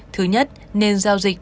thứ nhất nên giao dịch